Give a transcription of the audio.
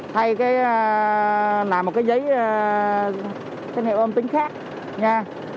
thay làm một cái giấy tín hiệu ôm tính khác nha